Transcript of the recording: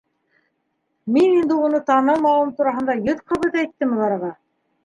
Мин инде уны танымауым тураһында йөҙ ҡабат әйттем уларға.